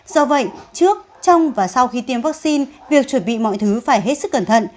do vậy trước trong và sau khi tiêm vaccine việc chuẩn bị mọi thứ phải hết sức cẩn thận